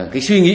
cái suy nghĩ